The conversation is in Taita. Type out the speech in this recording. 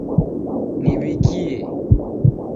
Niwikie